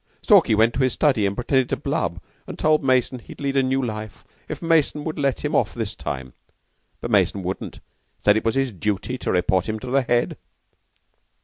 Stalky went to his study and pretended to blub, and told Mason he'd lead a new life if Mason would let him off this time, but Mason wouldn't. 'Said it was his duty to report him to the Head."